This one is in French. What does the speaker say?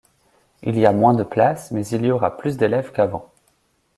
Il y a moins de place, mais il y aura plus d'élèves qu'avant.